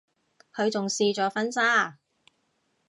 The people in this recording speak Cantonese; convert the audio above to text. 佢仲試咗婚紗啊